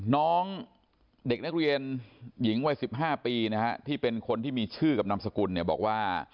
น้องเด็กนักเรียนหญิงวัย๑๕ปีนะฮะที่เป็นคนที่มีชื่อกับนามสกุลเนี่ยบอกว่า